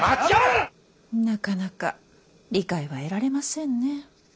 なかなか理解は得られませんね。